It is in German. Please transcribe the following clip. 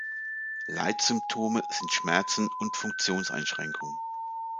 Leitsymptome sind Schmerzen und Funktionseinschränkung.